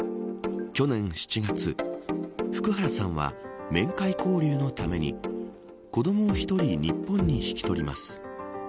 去年７月福原さんは、面会交流のために子ども１人日本に引き取ります。